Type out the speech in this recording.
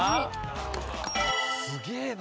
すげえな。